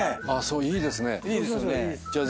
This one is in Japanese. いいですね。